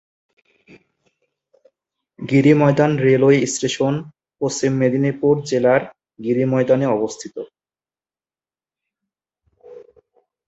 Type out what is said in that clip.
গিরি ময়দান railway station পশ্চিম মেদিনীপুর জেলার গিরি ময়দানে অবস্থিত।